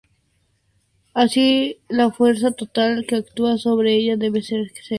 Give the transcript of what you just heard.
Así la fuerza total que actúa sobre ella debe ser cero.